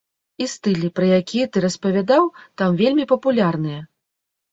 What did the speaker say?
І стылі, пра якія ты распавядаў, там вельмі папулярныя.